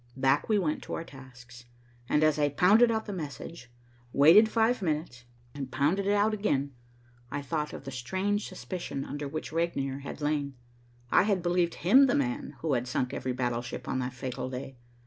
Back we went to our tasks and, as I pounded out the message, waited five minutes and pounded it out again, I thought of the strange suspicion under which Regnier had lain. I had believed him the man who had sunk every battleship on that fatal day.